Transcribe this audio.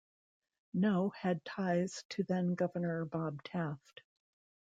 Noe had ties to then Governor Bob Taft.